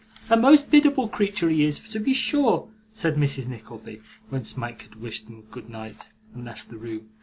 'A most biddable creature he is, to be sure,' said Mrs. Nickleby, when Smike had wished them good night and left the room.